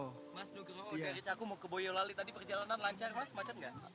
mas nugroho dari caku mau ke boyolali tadi perjalanan lancar mas macet nggak